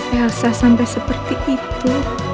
elsa sampai seperti itu